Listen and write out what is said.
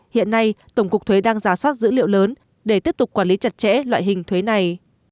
hiện nay tổng cục thuế đang giả soát dữ liệu lớn để tiếp tục quản lý chặt chẽ loại hình thuế này